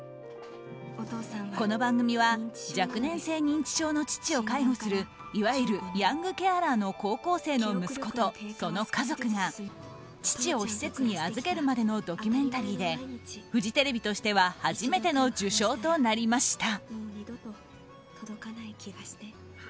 この番組は若年性認知症の父を介護するいわゆるヤングケアラーの高校生の息子とその家族が、父を施設に預けるまでのドキュメンタリーでフジテレビとしては初めての受賞となりました。